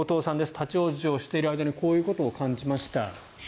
立ち往生している間にこういうことを感じました。